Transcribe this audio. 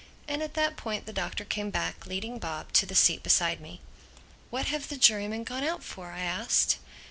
And at that point the Doctor came back, leading Bob, to the seat beside me. "What have the jurymen gone out for?" I asked.